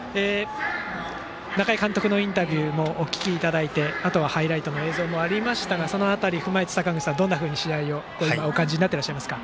中井監督のインタビューもお聞きいただいてハイライトの映像もありましたがその辺りを踏まえて、坂口さんどんなふうに試合についてお感じになっていますか。